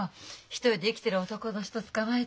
一人で生きてる男の人つかまえて。